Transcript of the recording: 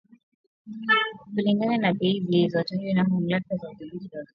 Kulingana na bei zilizotajwa na Mamlaka ya Udhibiti wa Huduma za Nishati na Maji,